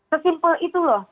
tersebut itu loh